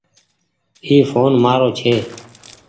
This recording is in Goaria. اي ڦون مآرو ڇي۔